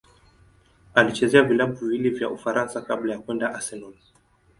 Alichezea vilabu viwili vya Ufaransa kabla ya kwenda Arsenal.